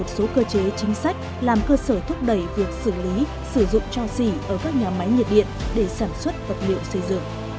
xin chào và hẹn gặp lại